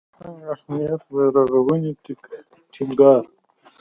فرهنګ اهمیت بیارغاونې ټینګار